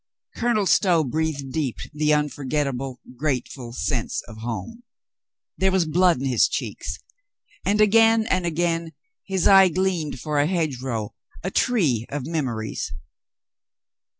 Colonel Stow breathed deep the unforgetable, grateful scents of home. There was blood in his cheeks, and again and aga.in his eye gleamed for a hedge row, a tree of memories.